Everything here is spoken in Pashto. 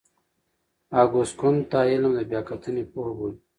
اګوست کُنت دا علم د بیا کتنې پوهه بولي.